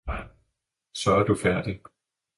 Så er du færdig.